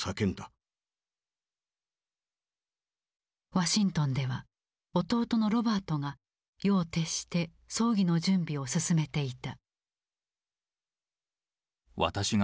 ワシントンでは弟のロバートが夜を徹して葬儀の準備を進めていた。